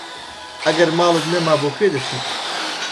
ئەگەر ماڵت نەما بۆ کوێ دەچیت؟